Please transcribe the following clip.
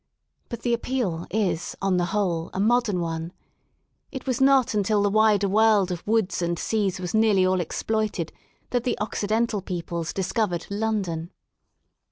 But the appeal is on the whole a modern one: it was not until the wider world of woods and seas was nearly all exploited that the Occidental peoples "discovered " London.